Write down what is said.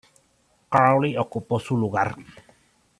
Crowley ocupó su lugar.